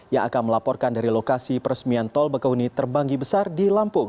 yang akan melaporkan dari lokasi peresmian tol bakahuni terbanggi besar di lampung